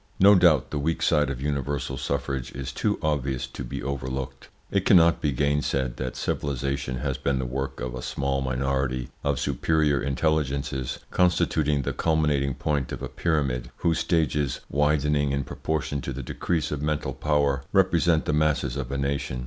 No doubt the weak side of universal suffrage is too obvious to be overlooked. It cannot be gainsaid that civilisation has been the work of a small minority of superior intelligences constituting the culminating point of a pyramid, whose stages, widening in proportion to the decrease of mental power, represent the masses of a nation.